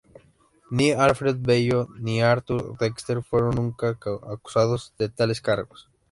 Ni Alfred Bello ni Arthur Dexter fueron nunca acusados de tales cargos.